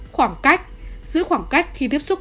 khỏng cách giữ khoảng cách khi tiếp xúc